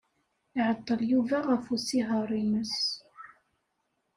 Iɛeḍḍel Yuba ɣef usihaṛ-nnes.